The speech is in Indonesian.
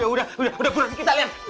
udah udah udah kita liat